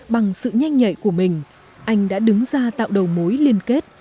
bằng sự nhanh nhạy của mình anh đã đứng ra tạo đầu mối liên kết